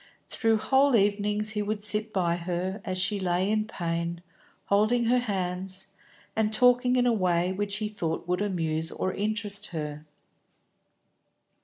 Through whole evenings he would sit by her, as she lay in pain, holding her hands, and talking in a way which he thought would amuse or interest her.